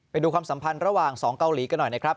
ไปดูความสัมพันธ์ระหว่าง๒เกาหลีกันหน่อยนะครับ